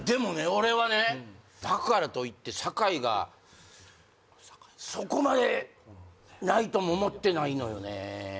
俺はねだからといって酒井がそこまでないとも思ってないのよね